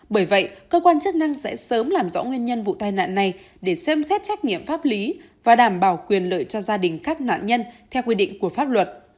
bởi vậy cơ quan chức năng sẽ sớm làm rõ nguyên nhân vụ tai nạn này để xem xét trách nhiệm pháp lý và đảm bảo quyền lợi cho gia đình các nạn nhân theo quy định của pháp luật